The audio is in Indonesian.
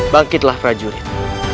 bangkitlah rai jurit